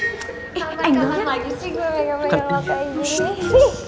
eh enggan lagi sih gue makeup makeup kayak gini